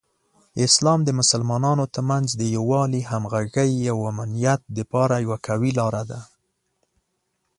اسلام د مسلمانانو ترمنځ د یووالي، همغږۍ، او امنیت لپاره یوه قوي لاره ده.